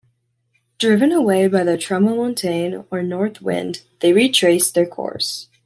Driven away by the "Tramontane" or north wind, they retraced their course.